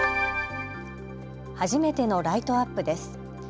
初めてのライトアップです。